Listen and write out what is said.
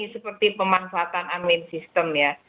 seperti pemanfaatan admin system ya